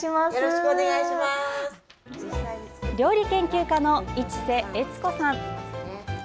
料理研究家の市瀬悦子さん。